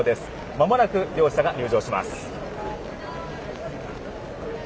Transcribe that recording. まもなく両者が入場します。